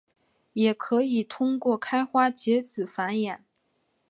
也可以通过开花结籽繁衍。